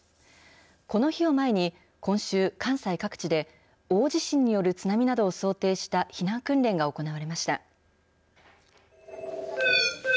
この日を前に、今週、関西各地で、大地震による津波などを想定した避難訓練が行われました。